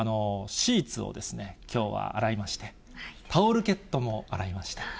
シーツをきょうは洗いまして、タオルケットも洗いました。